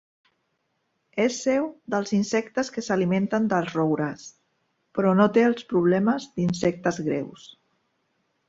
És seu dels insectes que s'alimenten dels roures, però no té els problemes d'insectes greus.